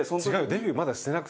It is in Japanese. デビューまだしてなくて。